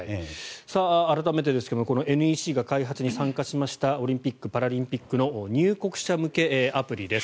改めてですがＮＥＣが開発に参加しましたオリンピック・パラリンピックの入国者向けアプリです。